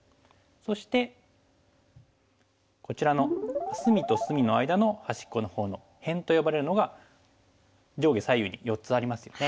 そしてこちらの隅と隅の間の端っこの方の「辺」と呼ばれるのが上下左右に４つありますよね。